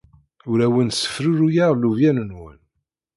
Ur awen-ssefruruyeɣ llubyan-nwen.